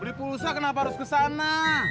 beli pulsa kenapa harus kesana